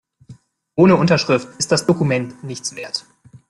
Ohne Unterschrift ist das Dokument nichts wert.